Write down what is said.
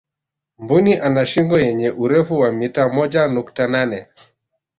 mbuni ana shingo yenye urefu wa mita moja nukta nane